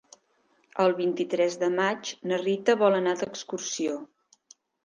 El vint-i-tres de maig na Rita vol anar d'excursió.